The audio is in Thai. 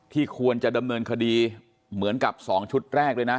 ควรจะดำเนินคดีเหมือนกับ๒ชุดแรกเลยนะ